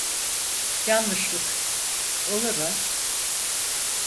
Yanlışlık, olur a…